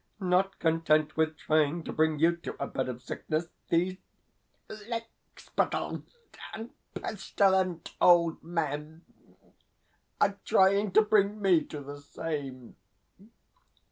Not content with trying to bring you to a bed of sickness, these lickspittles and pestilent old men are trying to bring me to the same.